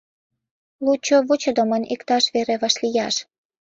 Лучо вучыдымын иктаж вере вашлияш.